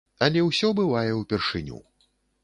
Але ўсё бывае ўпершыню.